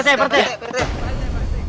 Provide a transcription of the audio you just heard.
percaya percaya percaya